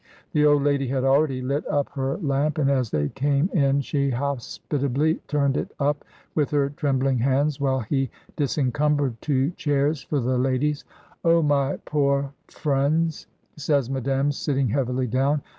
The old lady had already lit up her lamp, and as they came in she hospitably turned it up with her trembling hands, while he disencumbered two chairs for the ladies. "Oh! my poor frens," says Madame, sitting heavily down.